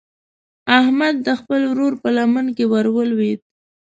احمد د خپل ورور په لمن کې ور ولوېد.